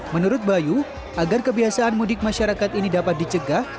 menurut bayu agar kebiasaan mudik masyarakat ini dapat dicegah